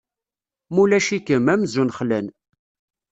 Ma ulac-ikem, amzun xlan.